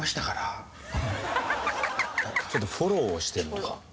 ちょっとフォローをしてるのか。